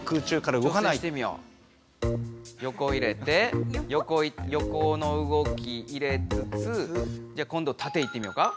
ヨコ入れてヨコの動き入れつつじゃあ今度タテいってみようか。